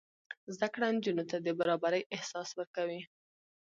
زده کړه نجونو ته د برابرۍ احساس ورکوي.